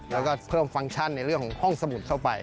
แล้วก็เพิ่มฟังก์ชั่นในเรื่องของห้องสมุดเข้าไป